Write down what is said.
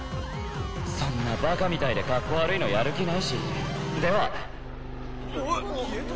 そんなバカみたいでカッコ悪いのやる気ないしでは・えっ消えた？